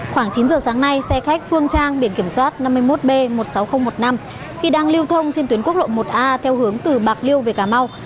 khoảng chín giờ sáng nay xe khách phương trang biển kiểm soát năm mươi một b một mươi sáu nghìn một mươi năm khi đang lưu thông trên tuyến quốc lộ một a theo hướng từ bạc liêu về cà mau